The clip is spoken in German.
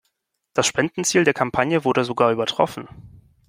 Das Spendenziel der Kampagne wurde sogar übertroffen.